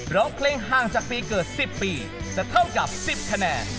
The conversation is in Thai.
ร้องเพลงห่างจากปีเกิด๑๐ปีจะเท่ากับ๑๐คะแนน